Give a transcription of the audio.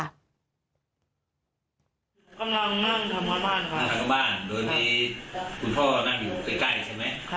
หนูก็เลยเดินไปดูว่านี่เป็นเสียงอะไรใช่ไหม